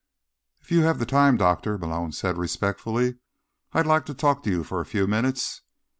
"If you have the time, Doctor," Malone said respectfully, "I'd like to talk to you for a few minutes."